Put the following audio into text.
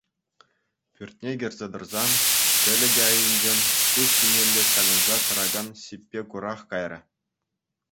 Пӳртне кӗрсе тӑрсан ҫӗлӗкӗ айӗнчен куҫ ҫинелле ҫакӑнса тӑракан ҫиппе курах кайрӗ.